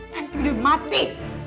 tanti udah mati